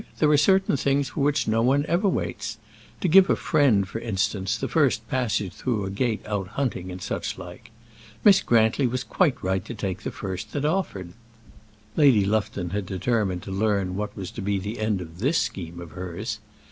There are certain things for which no one ever waits: to give a friend, for instance, the first passage through a gate out hunting, and such like. Miss Grantly was quite right to take the first that offered." Lady Lufton had determined to learn what was to be the end of this scheme of hers.